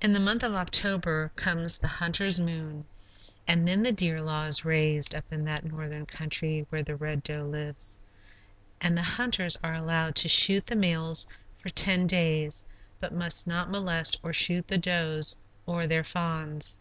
In the month of October comes the hunter's moon, and then the deer law is raised, up in that Northern country where the Red Doe lives; and the hunters are allowed to shoot the males for ten days, but must not molest or shoot the does or their fawns.